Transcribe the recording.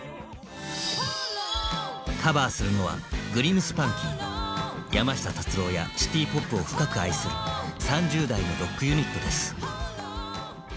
カバーするのは山下達郎やシティ・ポップを深く愛する３０代のロックユニットです。